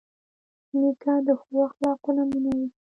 نیکه د ښو اخلاقو نمونه وي.